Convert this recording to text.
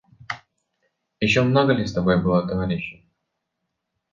Еще много ли с тобой было товарищей?